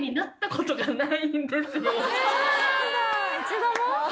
一度も？